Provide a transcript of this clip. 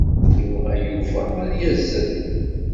Yebɣa Yuba ad yazzel.